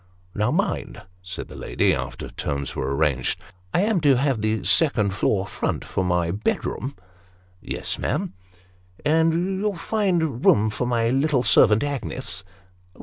"Now mind," said that lady, after terms were arranged; " I am to have the second floor front, for my bedroom ?"" Yes, ma'am." " And you'll find room for my little servant Agnes